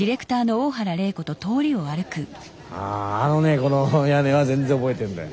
ああのねこの屋根は全然覚えてるんだよ。